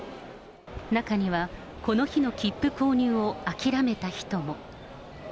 中には、この日の切符購入を諦めた人も。